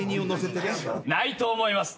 ないと思います。